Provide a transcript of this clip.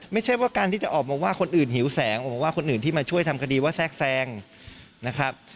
ไม่ใช่ว่าการที่จะออกมาว่าคนอื่นหิวแสงออกมาว่าคนอื่นที่มาช่วยทำคดีว่าแทรกแทรงนะครับ